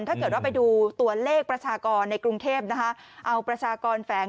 ถ้าเกิดว่าไปดูตัวเลขประชากรในกรุงเทพนะคะเอาประชากรแฝง